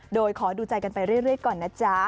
โดยขอดูใจกันไปเรื่อยก่อนนะจ๊ะ